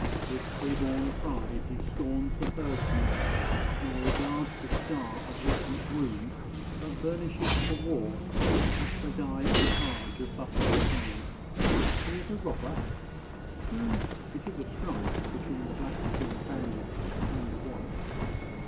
With freeborn pride He scorns the herdsman, nor regards the scar Of recent wound but burnishes for war His assegai and targe of buffalo hide. He is a robber? True; it is a strife Between the black skinned bandit and the white.